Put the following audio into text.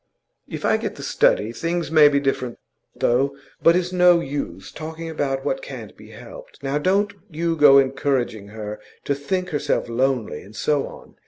'If I get The Study things may be different. Though But it's no use talking about what can't be helped. Now don't you go encouraging her to think herself lonely, and so on.